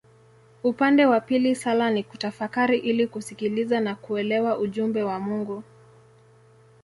Upande wa pili sala ni kutafakari ili kusikiliza na kuelewa ujumbe wa Mungu.